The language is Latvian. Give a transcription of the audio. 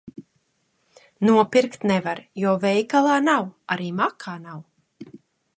Nopirkt nevar, jo veikalā nav, arī makā nav.